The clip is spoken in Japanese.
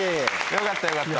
よかったよかった。